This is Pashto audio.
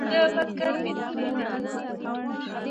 د وېر پر وطن خپور وي